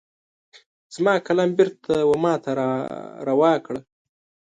زما قلم بیرته وماته را روا کړه